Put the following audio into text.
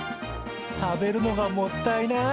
食べるのがもったいない。